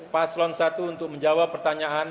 pak aslon i untuk menjawab pertanyaan